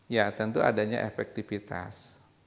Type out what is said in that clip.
ya tentu adanya efektivitas